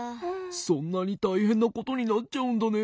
そんなにたいへんなことになっちゃうんだね。